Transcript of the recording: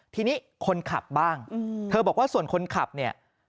ทีนี้คนขับบ้างเธอบอกว่าส่วนคนขับเนี่ย